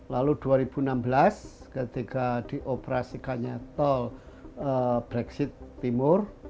lalu dua ribu enam belas ketika dioperasikannya tol brexit timur